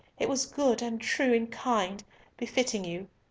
It was good and true and kind, befitting you.